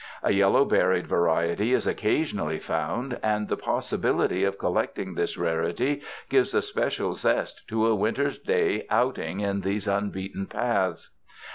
A yellow berried variety is occasionally found, and the possibility of collect ing this rarity gives a special zest to a winter day's outing in these unbeaten paths.